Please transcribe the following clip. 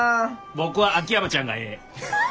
僕は秋山ちゃんがええ！